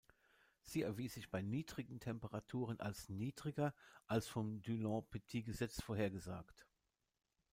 Sie erwies sich bei niedrigen Temperaturen als niedriger als vom Dulong-Petit-Gesetz vorhergesagt.